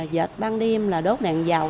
dịch ban đêm là đốt đèn dầu